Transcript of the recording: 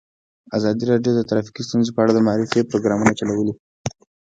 ازادي راډیو د ټرافیکي ستونزې په اړه د معارفې پروګرامونه چلولي.